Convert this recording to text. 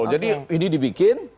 jadi ini dibikin